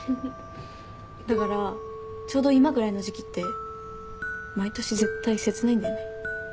だからちょうど今ぐらいの時期って毎年絶対切ないんだよね。